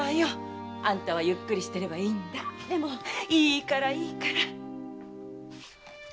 いいからいいから。